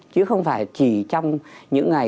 chứ không phải chỉ trong những ngày